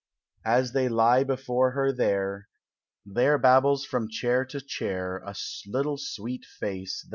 As they lie before her there, There babbles from chair to chair A little sweet face That